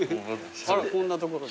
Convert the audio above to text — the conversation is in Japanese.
あらこんな所に。